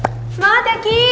semangat ya ki